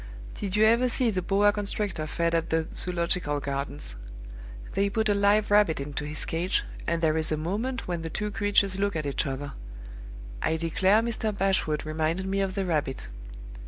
Did you ever see the boa constrictor fed at the Zoological Gardens? They put a live rabbit into his cage, and there is a moment when the two creatures look at each other. I declare Mr. Bashwood reminded me of the rabbit.